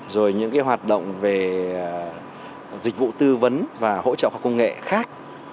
rồi những hoạt động về dịch vụ tư vấn và hỗ trợ khoa công nghệ khác